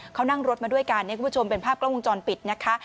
เขานั่งรถมาด้วยกันเนี่ยคุณผู้ชมเป็นภาพกล้องวงจรปิดนะคะ